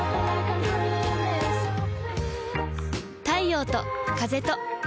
太陽と風と